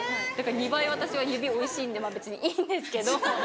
２倍私は指おいしいんで別にいいんですけど。